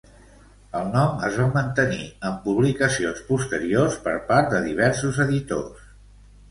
El nom es va mantenir en publicacions posteriors per part de diversos editors.